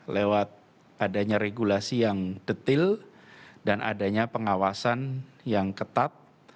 lewat adanya regulasi yang detil dan adanya pengawasan yang ketat